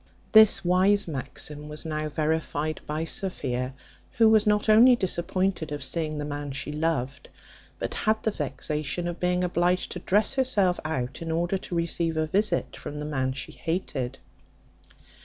This wise maxim was now verified by Sophia, who was not only disappointed of seeing the man she loved, but had the vexation of being obliged to dress herself out, in order to receive a visit from the man she hated.